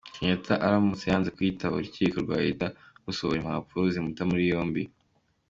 Kenyatta aramutse yanze kwitaba urukiko rwahita rusohora impapuro zimuta muri yombi.